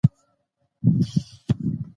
شاه امان الله خان د هېواد پرمختګ ته ژمن و.